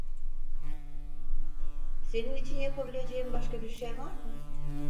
Senin için yapabileceğim başka bir şey var mı?